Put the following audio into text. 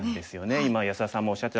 今安田さんもおっしゃってた